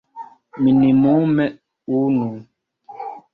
Minimume unu.